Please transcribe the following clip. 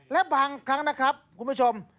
และบางครั้งนะครับคุณผู้ชม